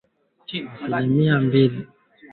Muzungu anaweka mufuko niju yakuweka kila mutu yakwake